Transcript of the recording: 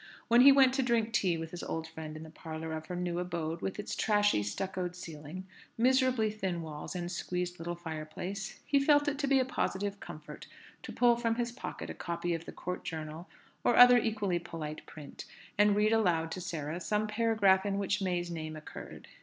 When he went to drink tea with his old friend in the parlour of her new abode with its trashy, stuccoed ceiling, miserably thin walls, and squeezed little fireplace, he felt it to be a positive comfort to pull from his pocket a copy of the Court Journal or other equally polite print, and read aloud to Sarah some paragraph in which May's name occurred.